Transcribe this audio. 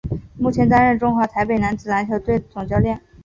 目前担任中华台北男子篮球代表队总教练。